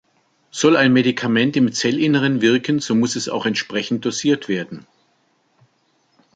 Soll ein Medikament im Zellinneren wirken, so muss es auch entsprechend dosiert werden.